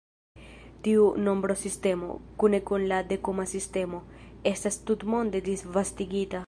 Tiu nombrosistemo, kune kun la Dekuma sistemo, estas tutmonde disvastigita.